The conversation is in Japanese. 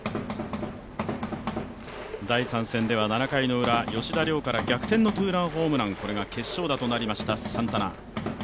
第３戦では７回のウラ、吉田凌から逆転のツーランホームラン、これが決勝打となりましたサンタナ。